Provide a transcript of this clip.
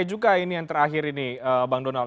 juga yang terakhir ini bang donald